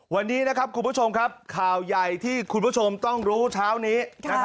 วันนี้นะครับคุณผู้ชมครับข่าวใหญ่ที่คุณผู้ชมต้องรู้เช้านี้